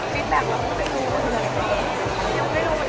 ฟิดแบบเราก็ไม่ได้รู้